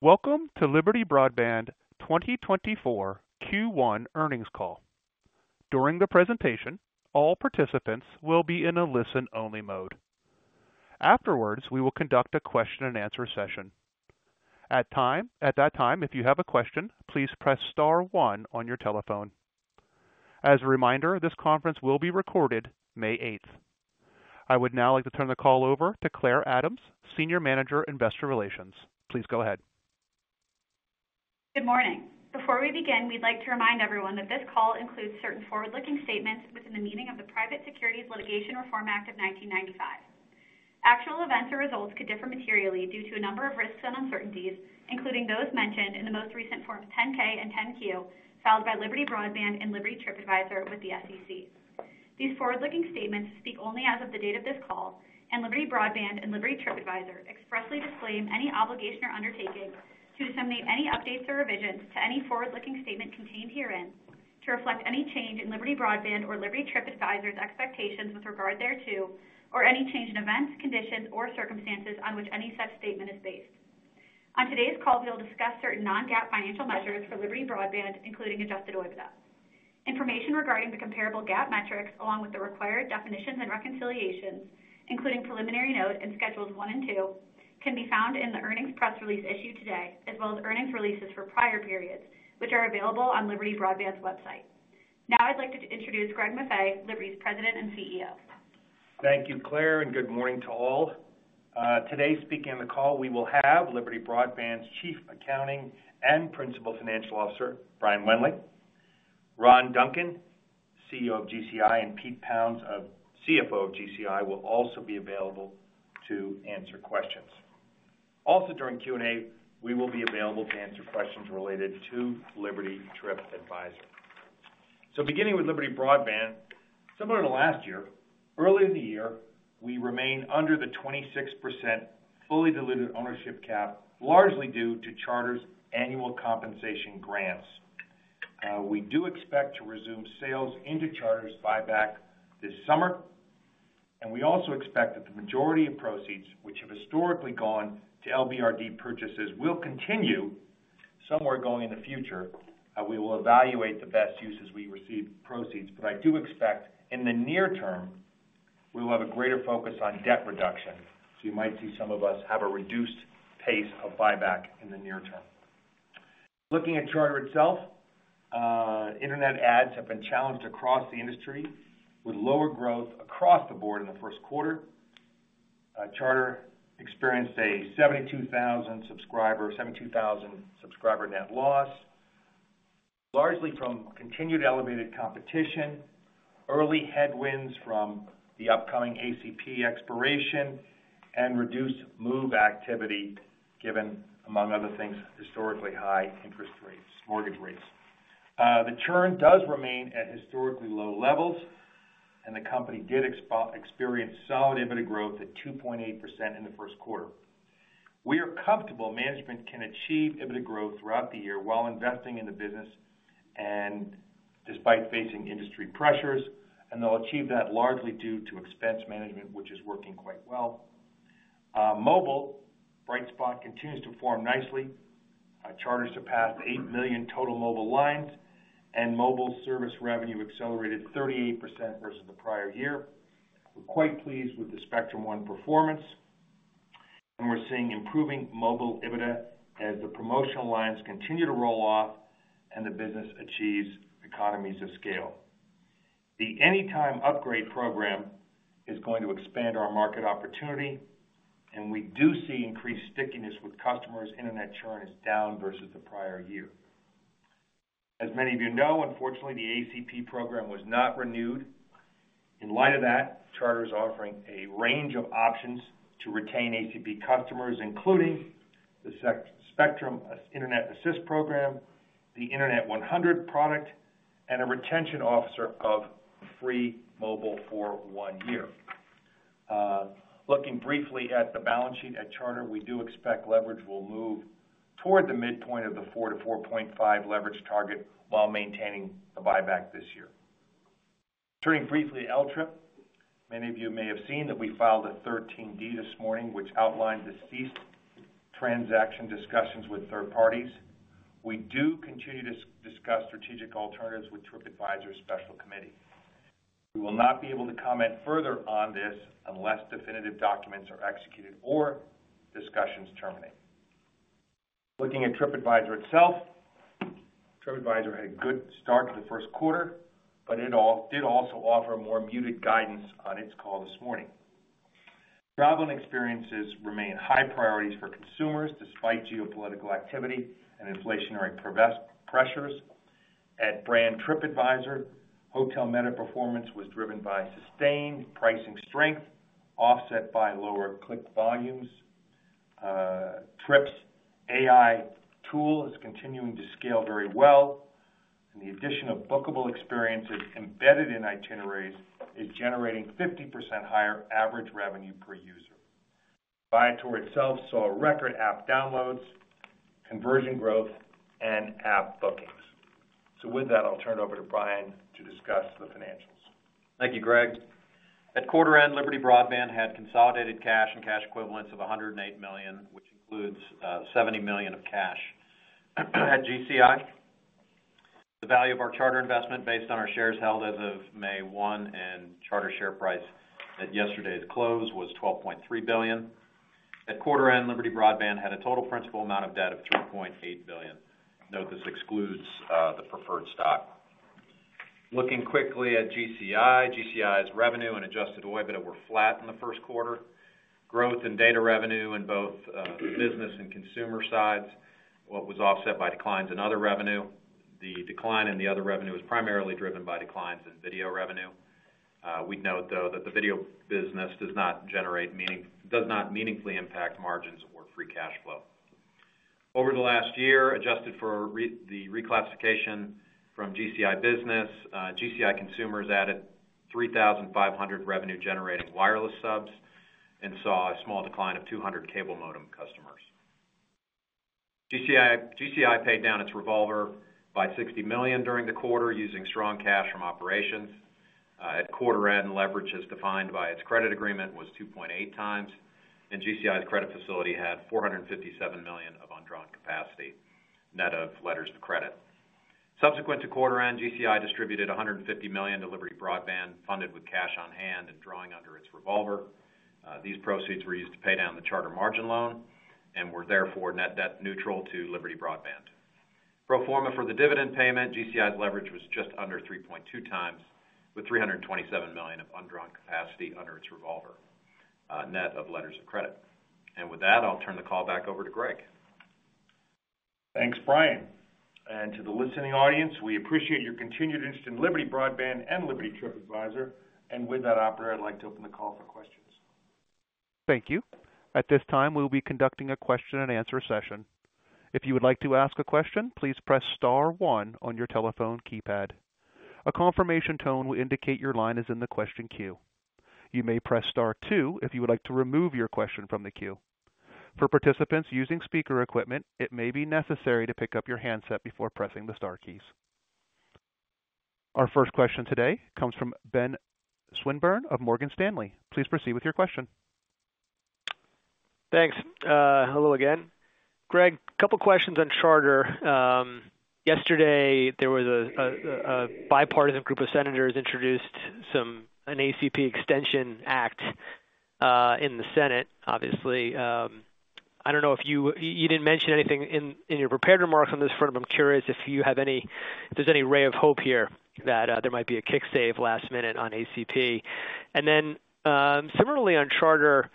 Welcome to Liberty Broadband 2024 Q1 earnings call. During the presentation, all participants will be in a listen-only mode. Afterwards, we will conduct a question-and-answer session. At that time, if you have a question, please press star one on your telephone. As a reminder, this conference will be recorded May 8th. I would now like to turn the call over to Clare Adams, Senior Manager, Investor Relations. Please go ahead. Good morning. Before we begin, we'd like to remind everyone that this call includes certain forward-looking statements within the meaning of the Private Securities Litigation Reform Act of 1995. Actual events and results could differ materially due to a number of risks and uncertainties, including those mentioned in the most recent Forms 10-K and 10-Q filed by Liberty Broadband and Liberty TripAdvisor with the SEC. These forward-looking statements speak only as of the date of this call, and Liberty Broadband and Liberty TripAdvisor expressly disclaim any obligation or undertaking to disseminate any updates or revisions to any forward-looking statement contained herein to reflect any change in Liberty Broadband or Liberty TripAdvisor's expectations with regard thereto, or any change in events, conditions, or circumstances on which any such statement is based. On today's call, we will discuss certain non-GAAP financial measures for Liberty Broadband, including adjusted OIBDA. Information regarding the comparable GAAP metrics, along with the required definitions and reconciliations, including preliminary note and schedules one and, can be found in the earnings press release issued today, as well as earnings releases for prior periods, which are available on Liberty Broadband's website. Now I'd like to introduce Greg Maffei, Liberty's President and CEO. Thank you, Clare, and good morning to all. Today, speaking on the call, we will have Liberty Broadband's Chief Accounting and Principal Financial Officer, Brian Wendling. Ron Duncan, CEO of GCI, and Pete Pounds, CFO of GCI, will also be available to answer questions. Also, during Q&A, we will be available to answer questions related to Liberty TripAdvisor. Beginning with Liberty Broadband, similar to last year, earlier in the year, we remain under the 26% fully diluted ownership cap, largely due to Charter's annual compensation grants. We do expect to resume sales into Charter's buyback this summer, and we also expect that the majority of proceeds, which have historically gone to LBRD purchases, will continue somewhere going in the future. We will evaluate the best uses we receive proceeds, but I do expect in the near term, we will have a greater focus on debt reduction, so you might see some of us have a reduced pace of buyback in the near term. Looking at Charter itself, internet adds have been challenged across the industry with lower growth across the board in the first quarter. Charter experienced a 72,000 subscriber net loss, largely from continued elevated competition, early headwinds from the upcoming ACP expiration, and reduced move activity given, among other things, historically high mortgage rates. The churn does remain at historically low levels, and the company did experience solid OIBDA growth at 2.8% in the first quarter. We are comfortable management can achieve OIBDA growth throughout the year while investing in the business, despite facing industry pressures, and they'll achieve that largely due to expense management, which is working quite well. Mobile, bright spot, continues to form nicely. Charter surpassed eight million total mobile lines, and mobile service revenue accelerated 38% versus the prior year. We're quite pleased with the Spectrum One performance, and we're seeing improving mobile OIBDA as the promotional lines continue to roll off and the business achieves economies of scale. The Anytime Upgrade program is going to expand our market opportunity, and we do see increased stickiness with customers. Internet churn is down versus the prior year. As many of you know, unfortunately, the ACP program was not renewed. In light of that, Charter is offering a range of options to retain ACP customers, including the Spectrum Internet Assist program, the Internet 100 product, and a retention offer of free mobile for one year. Looking briefly at the balance sheet at Charter, we do expect leverage will move toward the midpoint of the 4-4.5 leverage target while maintaining the buyback this year. Turning briefly to LTRIP, many of you may have seen that we filed a 13-D this morning, which outlined the ceased transaction discussions with third parties. We do continue to discuss strategic alternatives with TripAdvisor's special committee. We will not be able to comment further on this unless definitive documents are executed or discussions terminate. Looking at TripAdvisor itself, TripAdvisor had a good start to the first quarter, but it did also offer more muted guidance on its call this morning. Travel and experiences remain high priorities for consumers despite geopolitical activity and inflationary pressures. At brand TripAdvisor, hotel meta performance was driven by sustained pricing strength offset by lower click volumes. Trip's AI tool is continuing to scale very well, and the addition of bookable experiences embedded in itineraries is generating 50% higher average revenue per user. Viator itself saw record app downloads, conversion growth, and app bookings. With that, I'll turn it over to Brian to discuss the financials. Thank you, Greg. At quarter-end, Liberty Broadband had consolidated cash and cash equivalents of $108 million, which includes $70 million of cash at GCI. The value of our Charter investment, based on our shares held as of May 1 and Charter share price at yesterday's close, was $12.3 billion. At quarter-end, Liberty Broadband had a total principal amount of debt of $3.8 billion. Note this excludes the preferred stock. Looking quickly at GCI, GCI's revenue and Adjusted OIBDA were flat in the first quarter. Growth in data revenue in both the business and consumer sides, what was offset by declines in other revenue. The decline in the other revenue was primarily driven by declines in video revenue. We'd note, though, that the video business does not meaningfully impact margins or free cash flow. Over the last year, adjusted for the reclassification from GCI business, GCI consumers added 3,500 revenue-generating wireless subs and saw a small decline of 200 cable modem customers. GCI paid down its revolver by $60 million during the quarter using strong cash from operations. At quarter-end, leverage as defined by its credit agreement was 2.8 times, and GCI's credit facility had $457 million of undrawn capacity, net of letters of credit. Subsequent to quarter-end, GCI distributed $150 million to Liberty Broadband, funded with cash on hand and drawing under its revolver. These proceeds were used to pay down the Charter margin loan and were therefore net debt neutral to Liberty Broadband. Pro forma for the dividend payment, GCI's leverage was just under 3.2 times with $327 million of undrawn capacity under its revolver, net of letters of credit. And with that, I'll turn the call back over to Greg. Thanks, Brian. To the listening audience, we appreciate your continued interest in Liberty Broadband and Liberty TripAdvisor. With that, operator, I'd like to open the call for questions. Thank you. At this time, we will be conducting a question-and-answer session. If you would like to ask a question, please press star one on your telephone keypad. A confirmation tone will indicate your line is in the question queue. You may press star two if you would like to remove your question from the queue. For participants using speaker equipment, it may be necessary to pick up your handset before pressing the star keys. Our first question today comes from Ben Swinburne of Morgan Stanley. Please proceed with your question. Thanks. Hello again. Greg, a couple of questions on Charter. Yesterday, there was a bipartisan group of senators introduced an ACP Extension Act in the Senate, obviously. I don't know if you didn't mention anything in your prepared remarks on this front, but I'm curious if there's any ray of hope here that there might be a kick-save last minute on ACP. And then similarly on Charter,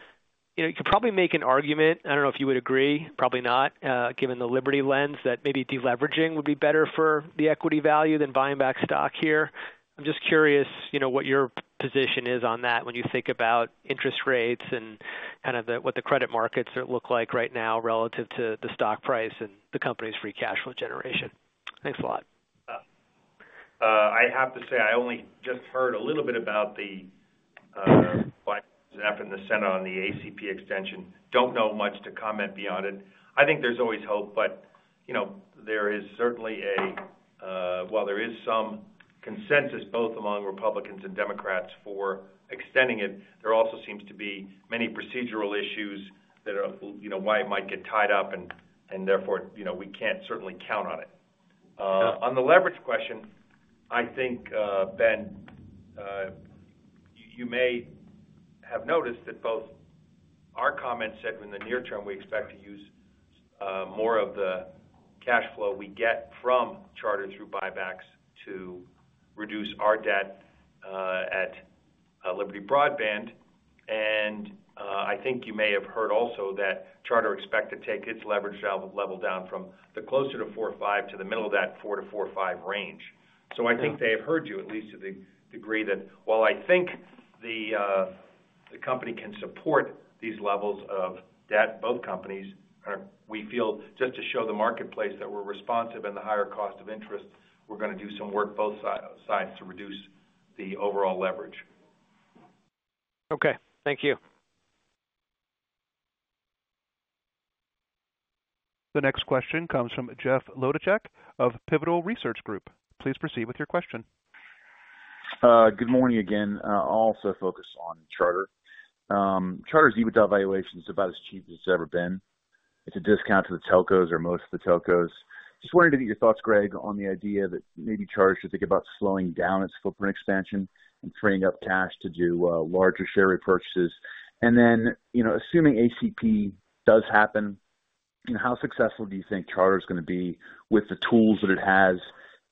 you could probably make an argument. I don't know if you would agree, probably not, given the Liberty lens, that maybe deleveraging would be better for the equity value than buying back stock here. I'm just curious what your position is on that when you think about interest rates and kind of what the credit markets look like right now relative to the stock price and the company's free cash flow generation. Thanks a lot. I have to say I only just heard a little bit about the bipartisan effort in the Senate on the ACP Extension. Don't know much to comment beyond it. I think there's always hope, but there is certainly, while there is some consensus, both among Republicans and Democrats, for extending it, there also seems to be many procedural issues that are why it might get tied up and therefore we can't certainly count on it. On the leverage question, I think, Ben, you may have noticed that both our comments said in the near term we expect to use more of the cash flow we get from Charter through buybacks to reduce our debt at Liberty Broadband. And I think you may have heard also that Charter expects to take its leverage level down from the closer to 4.5 to the middle of that 4-4.5 range. I think they have heard you, at least to the degree that while I think the company can support these levels of debt, both companies, we feel just to show the marketplace that we're responsive and the higher cost of interest, we're going to do some work both sides to reduce the overall leverage. Okay. Thank you. The next question comes from Jeff Wlodarczak of Pivotal Research Group. Please proceed with your question. Good morning again. I'll also focus on Charter. Charter's EBITDA valuation is about as cheap as it's ever been. It's a discount to the telcos or most of the telcos. Just wanted to get your thoughts, Greg, on the idea that maybe Charter should think about slowing down its footprint expansion and freeing up cash to do larger share repurchases. And then assuming ACP does happen, how successful do you think Charter is going to be with the tools that it has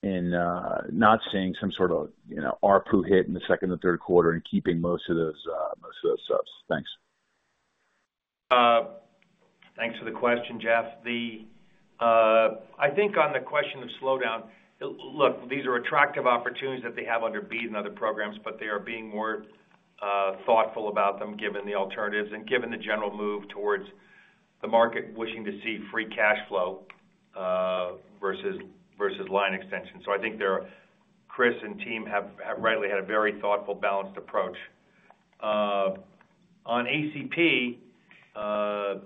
in not seeing some sort of RPU hit in the second and third quarter and keeping most of those subs? Thanks. Thanks for the question, Jeff. I think on the question of slowdown, look, these are attractive opportunities that they have under BEAD and other programs, but they are being more thoughtful about them given the alternatives and given the general move towards the market wishing to see free cash flow versus line extension. So I think Chris and team have rightly had a very thoughtful, balanced approach. On ACP, I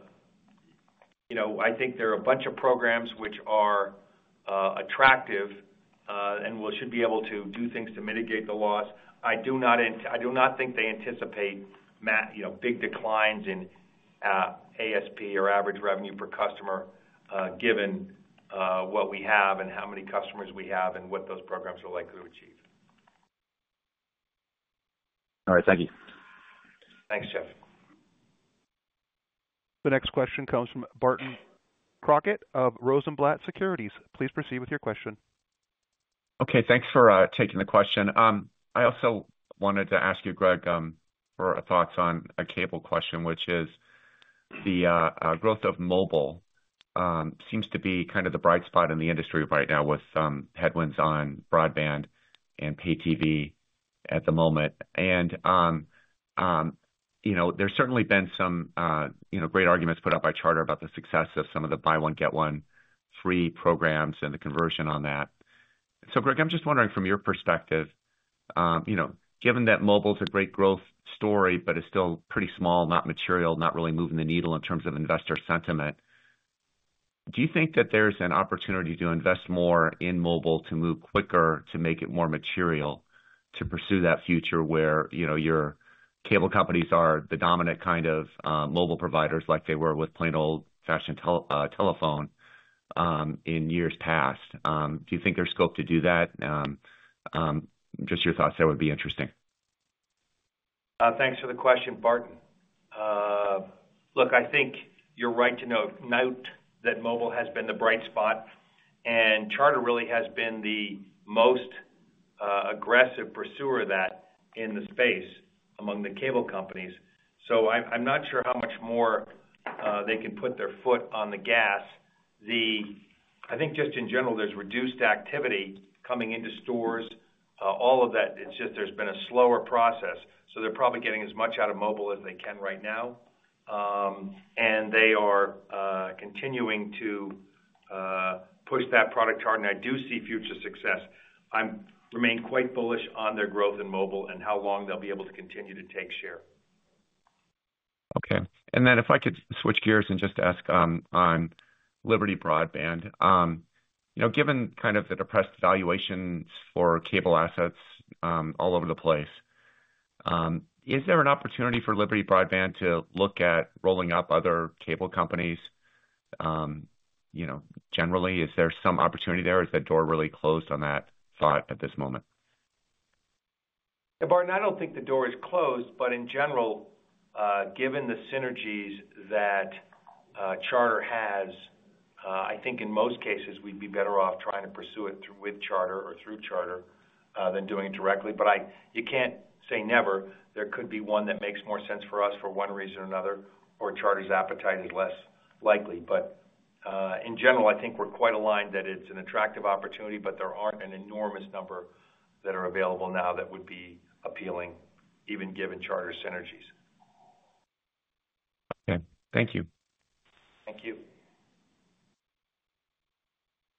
think there are a bunch of programs which are attractive and should be able to do things to mitigate the loss. I do not think they anticipate big declines in ACP or average revenue per customer given what we have and how many customers we have and what those programs are likely to achieve. All right. Thank you. Thanks, Jeff. The next question comes from Barton Crockett of Rosenblatt Securities. Please proceed with your question. Okay. Thanks for taking the question. I also wanted to ask you, Greg, for thoughts on a cable question, which is the growth of mobile seems to be kind of the bright spot in the industry right now with headwinds on broadband and pay TV at the moment. And there's certainly been some great arguments put up by Charter about the success of some of the buy-one, get-one free programs and the conversion on that. So, Greg, I'm just wondering from your perspective, given that mobile is a great growth story but is still pretty small, not material, not really moving the needle in terms of investor sentiment, do you think that there's an opportunity to invest more in mobile to move quicker, to make it more material to pursue that future where your cable companies are the dominant kind of mobile providers like they were with plain old-fashioned telephone in years past? Do you think there's scope to do that? Just your thoughts there would be interesting. Thanks for the question, Barton. Look, I think you're right to note that mobile has been the bright spot, and Charter really has been the most aggressive pursuer of that in the space among the cable companies. So I'm not sure how much more they can put their foot on the gas. I think just in general, there's reduced activity coming into stores. All of that, it's just there's been a slower process. So they're probably getting as much out of mobile as they can right now, and they are continuing to push that product, Charter. And I do see future success. I remain quite bullish on their growth in mobile and how long they'll be able to continue to take share. Okay. And then if I could switch gears and just ask on Liberty Broadband, given kind of the depressed valuations for cable assets all over the place, is there an opportunity for Liberty Broadband to look at rolling up other cable companies generally? Is there some opportunity there? Is the door really closed on that thought at this moment? Yeah, Barton, I don't think the door is closed. But in general, given the synergies that Charter has, I think in most cases, we'd be better off trying to pursue it with Charter or through Charter than doing it directly. But you can't say never. There could be one that makes more sense for us for one reason or another, or Charter's appetite is less likely. But in general, I think we're quite aligned that it's an attractive opportunity, but there aren't an enormous number that are available now that would be appealing, even given Charter synergies. Okay. Thank you. Thank you.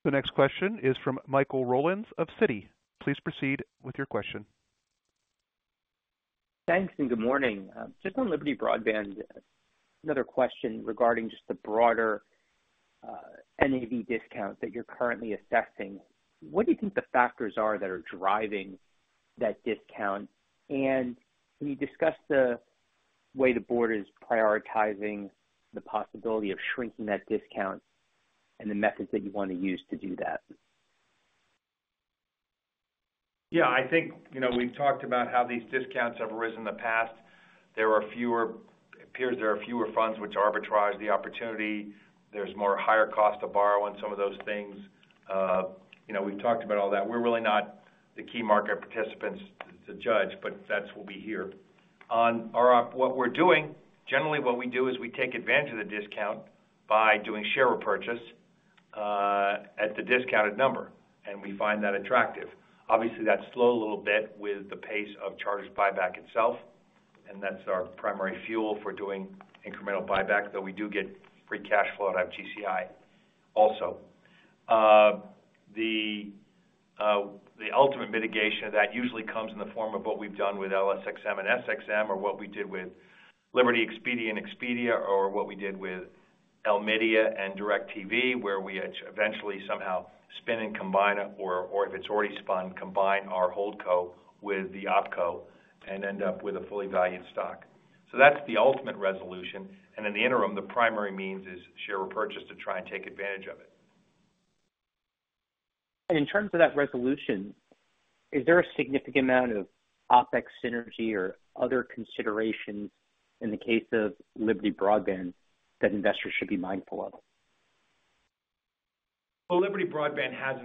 The next question is from Michael Rollins of Citi. Please proceed with your question. Thanks and good morning. Just on Liberty Broadband, another question regarding just the broader NAV discount that you're currently assessing. What do you think the factors are that are driving that discount? And can you discuss the way the board is prioritizing the possibility of shrinking that discount and the methods that you want to use to do that? Yeah. I think we've talked about how these discounts have risen in the past. It appears there are fewer funds which arbitrage the opportunity. There's more higher cost to borrow on some of those things. We've talked about all that. We're really not the key market participants to judge, but that's what we hear. On what we're doing, generally, what we do is we take advantage of the discount by doing share repurchase at the discounted number, and we find that attractive. Obviously, that's slowed a little bit with the pace of Charter's buyback itself, and that's our primary fuel for doing incremental buyback, though we do get free cash flow out of GCI also. The ultimate mitigation of that usually comes in the form of what we've done with LSXM and SXM or what we did with Liberty Expedia and Expedia or what we did with LMedia and DirecTV, where we eventually somehow spin and combine or if it's already spun, combine our Holdco with the Opco and end up with a fully valued stock. So that's the ultimate resolution. And in the interim, the primary means is share repurchase to try and take advantage of it. In terms of that resolution, is there a significant amount of OpEx synergy or other considerations in the case of Liberty Broadband that investors should be mindful of? Well, Liberty Broadband has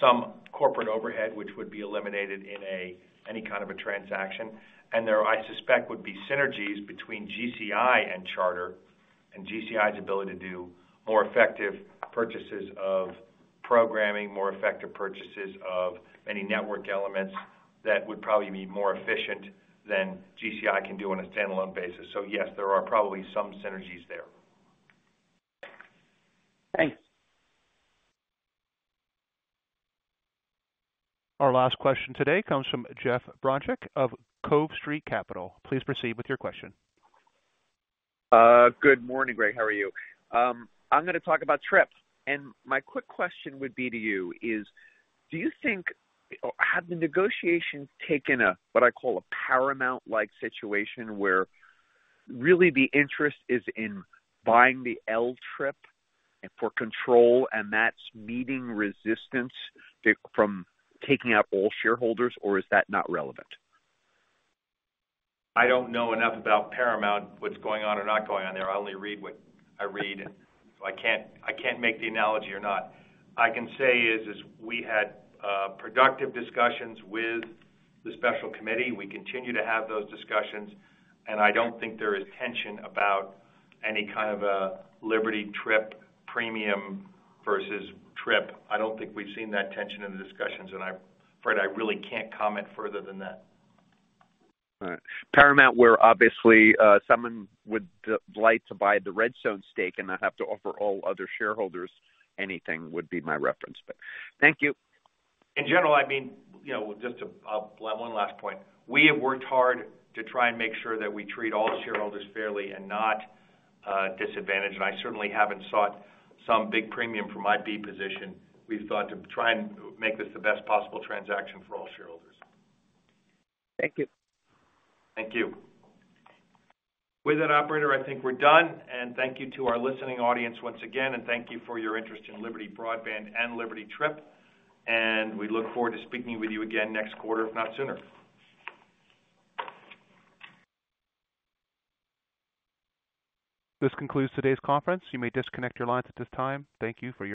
some corporate overhead, which would be eliminated in any kind of a transaction. And there, I suspect, would be synergies between GCI and Charter and GCI's ability to do more effective purchases of programming, more effective purchases of many network elements that would probably be more efficient than GCI can do on a standalone basis. So yes, there are probably some synergies there. Thanks. Our last question today comes from Jeff Bronchick of Cove Street Capital. Please proceed with your question. Good morning, Greg. How are you? I'm going to talk about Trip. My quick question would be to you is, do you think have the negotiations taken a what I call a Paramount-like situation where really the interest is in buying the LTRIP for control and that's meeting resistance from taking out all shareholders, or is that not relevant? I don't know enough about Paramount, what's going on or not going on there. I only read what I read, so I can't make the analogy or not. I can say is we had productive discussions with the special committee. We continue to have those discussions. I don't think there is tension about any kind of a Liberty TripAdvisor premium versus TripAdvisor. I don't think we've seen that tension in the discussions. Afraid, I really can't comment further than that. Paramount, where obviously someone would like to buy the Redstone stake and not have to offer all other shareholders anything, would be my reference. But thank you. In general, I mean, just one last point, we have worked hard to try and make sure that we treat all shareholders fairly and not disadvantaged. And I certainly haven't sought some big premium from my B position. We've thought to try and make this the best possible transaction for all shareholders. Thank you. Thank you. With that, operator, I think we're done. Thank you to our listening audience once again. Thank you for your interest in Liberty Broadband and Liberty TripAdvisor. We look forward to speaking with you again next quarter, if not sooner. This concludes today's conference. You may disconnect your lines at this time. Thank you for your.